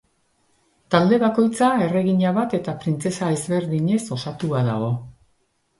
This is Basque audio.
Talde bakoitzak erregina bat eta printzesa ezberdinez osatua dago.